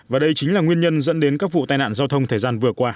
và đây chính là nguyên nhân dẫn đến các vụ tai nạn giao thông thời gian vừa qua